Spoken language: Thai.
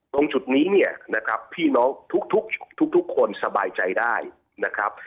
ตรงจุดนี้เนี่ยนะครับพี่น้องทุกทุกคนสบายใจได้นะครับ